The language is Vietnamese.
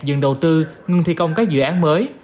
dừng đầu tư ngừng thi công các dự án mới